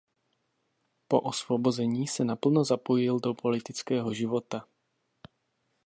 Po osvobození se naplno zapojil do politického života.